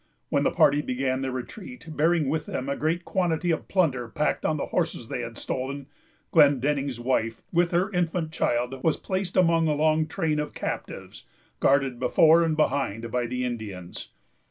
When the party began their retreat, bearing with them a great quantity of plunder packed on the horses they had stolen, Glendenning's wife, with her infant child, was placed among a long train of captives guarded before and behind by the Indians.